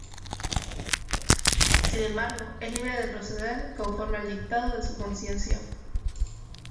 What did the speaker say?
Sin embargo es libre de proceder conforme al dictado de su conciencia.